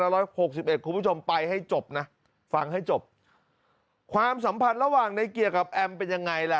ร้อยหกสิบเอ็ดคุณผู้ชมไปให้จบนะฟังให้จบความสัมพันธ์ระหว่างในเกียร์กับแอมเป็นยังไงล่ะ